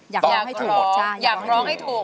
อยากร้องให้ถูกตอบให้ถูก